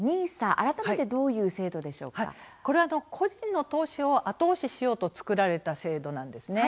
改めてこれは個人の投資を後押ししようと作られた制度なんですね。